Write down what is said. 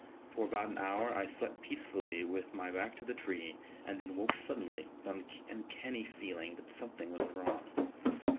For about an hour I slept peacefully with my back to the tree, and then woke suddenly with an uncanny feeling that something was wrong.